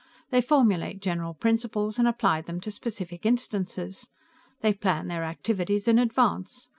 They formulate general principles, and apply them to specific instances. They plan their activities in advance.